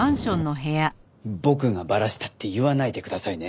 僕がバラしたって言わないでくださいね。